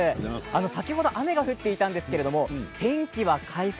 先ほど雨が降っていたんですけれども天気は回復。